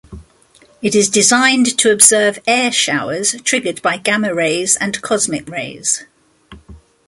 It is designed to observe air showers triggered by gamma rays and cosmic rays.